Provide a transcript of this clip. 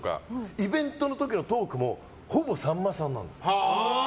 イベントの時のトークもほぼ、さんまさんなんですよ。